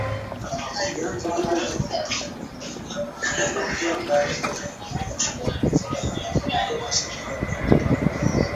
Vyanzo hivyo havikutoa taarifa zaidi juu ya shambulizi la haraka kutoka serikalini